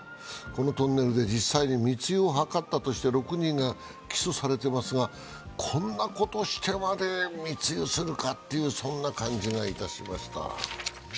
このトンネルで実際に密輸を図ったとして６人が起訴されていますがこんなことしてまで密輸するかという感じがいたしました。